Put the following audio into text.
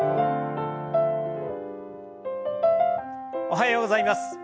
おはようございます。